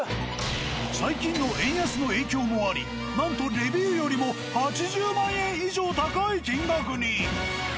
最近の円安の影響もありなんとレビューよりも８０万円以上高い金額に。